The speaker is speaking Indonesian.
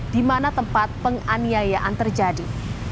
di mana tempat penganiayaan terjadi